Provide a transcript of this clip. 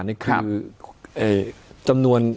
คือจำนวน